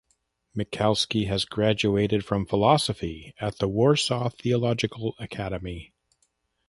Michalski has graduated from philosophy at the Warsaw Theological Academy.